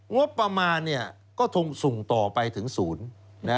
งบประมาณก็คงส่งต่อไปถึงศูนย์